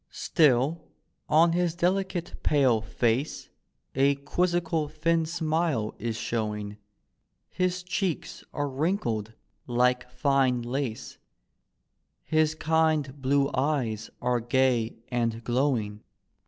Still on his delicate pale face A quizzical thin smile is showing, His cheeks arc wrinkled like fine lace, His kind blue eyes are gay and glowing.